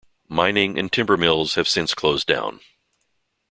Mining and timber mills have since closed down.